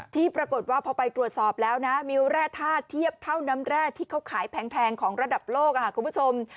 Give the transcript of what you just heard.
ที่ปรากฏว่าพอไปตรวจสอบแล้วนะมิ้วแร่ธาตุเทียบเท่าน้ำแร่ที่เขาขายแพงของระดับโลกคุณผู้ชม